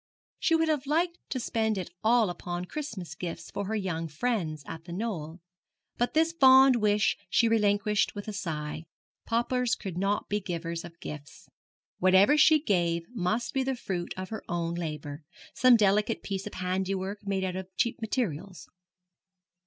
She would have liked to spend it all upon Christmas gifts for her young friends at The Knoll; but this fond wish she relinquished with a sigh. Paupers could not be givers of gifts. Whatever she gave must be the fruit of her own labour some delicate piece of handiwork made out of cheap materials.